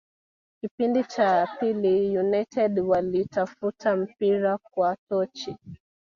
Kipindi cha pili United waliutafuta mpira kwa tochi